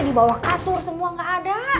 di bawah kasur semua nggak ada